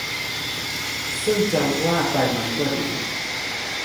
ซึ่งจะว่าไปมันก็ดี